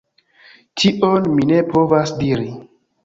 Tion mi ne povas diri.